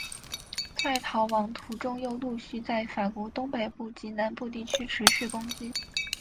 在逃亡途中又陆续在法国东北部及南部地区持续攻击。